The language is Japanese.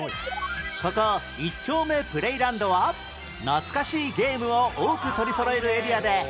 ここ一丁目プレイランドは懐かしいゲームを多く取りそろえるエリアで